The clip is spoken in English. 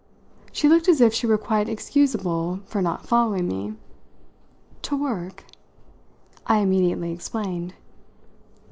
She looked as if she were quite excusable for not following me. "To 'work'?" I immediately explained.